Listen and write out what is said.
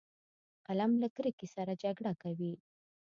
قلم له کرکې سره جګړه کوي